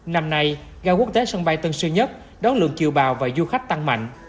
năm nay gai quốc tế sân bay tân sư nhất đón lượng chiều bào và du khách tăng mạnh